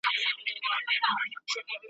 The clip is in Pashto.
د پښتو ژبي په کلاسیک ادب کي یې `